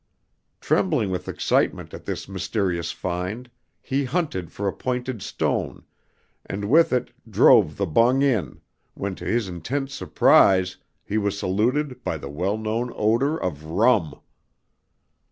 Trembling with excitement at this mysterious find, he hunted for a pointed stone, and with it drove the bung in, when to his intense surprise he was saluted by the well known odor of rum!